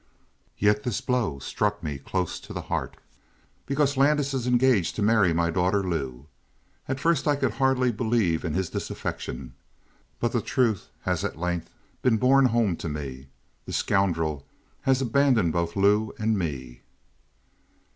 "Yet this blow struck me close to the heart. Because Landis is engaged to marry my daughter, Lou. At first I could hardly believe in his disaffection. But the truth has at length been borne home to me. The scoundrel has abandoned both Lou and me!"